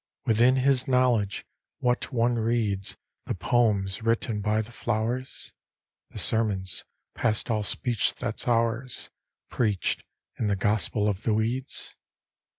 Within his knowledge, what one reads The poems written by the flowers? The sermons, past all speech that's ours, Preached in the gospel of the weeds?